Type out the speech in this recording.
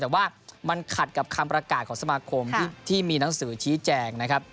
แต่ว่ามันขัดกับคำประกาศของสมาคมที่มีหนังสือชี้แจงนะครับ